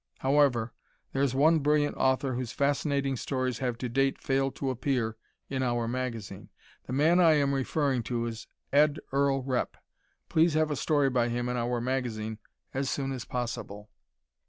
However, there is one brilliant author whose fascinating stories have, to date, failed to appear in our magazine. The man I am referring to is Ed Earl Repp. Please have a story by him in our magazine as soon as possible.